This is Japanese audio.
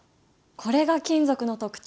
これが金属の特徴